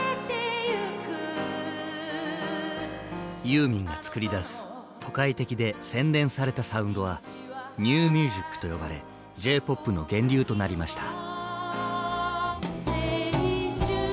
ユーミンが作り出す都会的で洗練されたサウンドは「ニューミュージック」と呼ばれ「Ｊ−ＰＯＰ」の源流となりました。